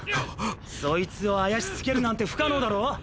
そいつをあやしつけるなんて不可能だろ⁉